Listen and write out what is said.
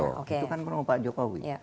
projo itu kan baru pak jokowi